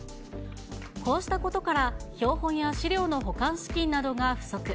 こうしたことから、標本や資料の保管資金などが不足。